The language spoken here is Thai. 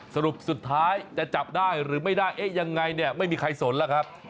สรุปสุดท้ายจะจับได้หรือไม่ได้เอ๊ะยังไงเนี่ยไม่มีใครสนแล้วครับ